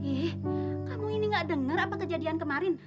ih kamu ini nggak dengar apa kejadian kemarin